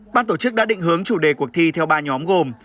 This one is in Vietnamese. ban tổ chức đã định hướng chủ đề cuộc thi theo ba nhóm gồm